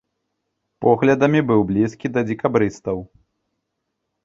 Поглядамі быў блізкі да дзекабрыстаў.